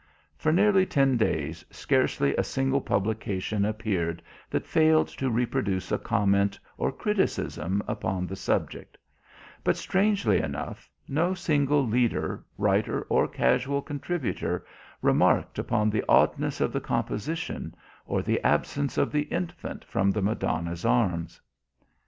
For nearly ten days scarcely a single publication appeared that failed to reproduce a comment or criticism upon the subject; but, strangely enough, no single leader, writer or casual contributor remarked upon the oddness of the composition or the absence of the Infant from the Madonna's arms.